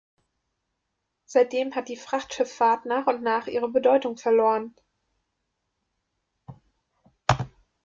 Seitdem hat die Frachtschifffahrt nach und nach ihre Bedeutung verloren.